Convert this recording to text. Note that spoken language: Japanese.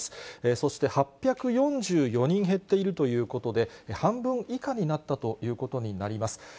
そして、８４４人減っているということで、半分以下になったということになります。